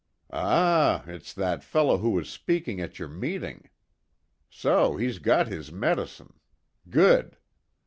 "Ah, it's that fellow who was speaking at your meeting. So he's got his medicine. Good.